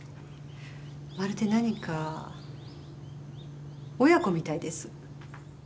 まるで何か親子みたいです。